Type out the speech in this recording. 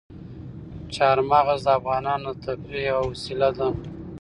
چار مغز د افغانانو د تفریح یوه وسیله ده.